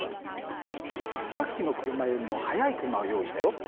さっきの車よりも速い車を用意したよ。